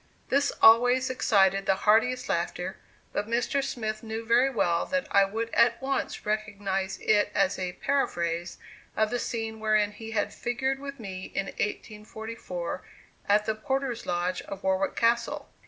This always excited the heartiest laughter; but Mr. Smith knew very well that I would at once recognize it as a paraphrase of the scene wherein he had figured with me in 1844 at the porter's lodge of Warwick Castle.